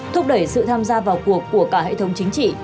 thúc đẩy sự tham gia vào cuộc của cả hệ thống chính trị